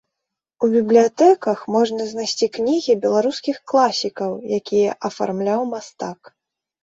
У бібліятэках можна знайсці кнігі беларускіх класікаў, якія афармляў мастак.